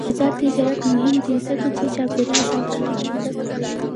آزاد تجارت مهم دی ځکه چې چاپیریال ساتنه کې مرسته کوي.